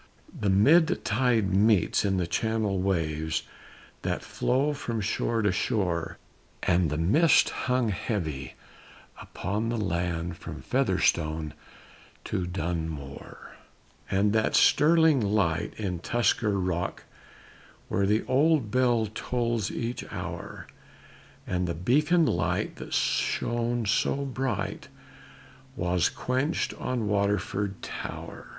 The mid tide meets in the channel waves that flow from shore to shore, And the mist hung heavy upon the land from Featherstone to Dunmore, And that sterling light in Tusker Rock where the old bell tolls each hour, And the beacon light that shone so bright was quench'd on Waterford Tower.